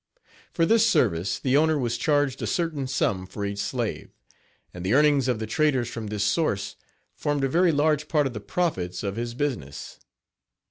For this service the owner was charged a certain sum for each slave, and the earnings of the traders from this source formed a very large part of the profits of his business.